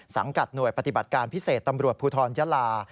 สังกัดหน่วยปฏิบัติการพิเศษตำรวจภูทรจังหวัดยาลา